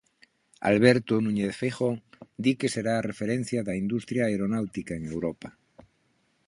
Alberto Núñez Feijóo di que será referencia da industria aeronáutica en Europa.